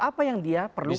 apa yang dia perlukan